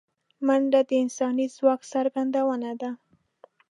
منډه د انساني ځواک څرګندونه ده